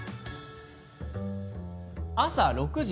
朝６時。